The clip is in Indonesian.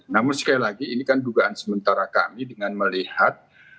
namun sekali lagi ini kan dugaan sementara kami dengan melihat